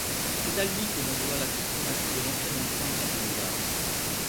C’est à lui que l'on doit la transformation de l’ancienne enceinte en boulevards.